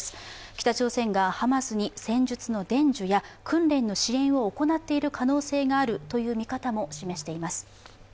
北朝鮮がハマスに戦術の伝授や訓練の支援を行っている可能性があるという見方も示しています。